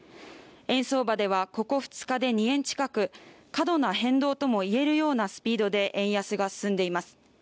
円相場ではここ２日で２年近く過度な変動とも言えるようなスピードで円安が進んでいます